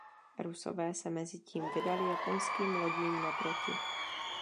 Rusové se mezitím vydali japonským lodím naproti.